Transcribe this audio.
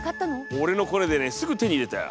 俺のコネでねすぐ手に入れたよ。